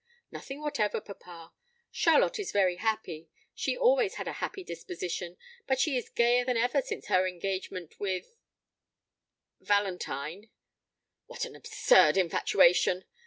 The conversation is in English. "Nothing whatever, papa. Charlotte is very happy; she always had a happy disposition, but she is gayer than ever since her engagement with Valentine." "What an absurd infatuation!"